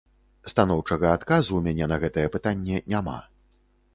Станоўчага адказу ў мяне на гэтае пытанне няма.